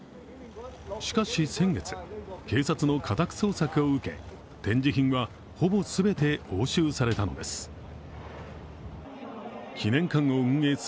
しかし先月警察の家宅捜索を受け展示品はほぼ全て押収されたのです。